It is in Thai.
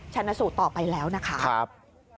ชนะสูตรต่อไปแล้วนะคะค่ะครับ